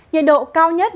nhiệt độ cao nhất